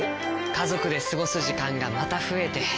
家族で過ごす時間がまた増えて。